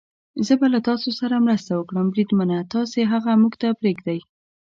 زه به له تاسو سره مرسته وکړم، بریدمنه، تاسې هغه موږ ته پرېږدئ.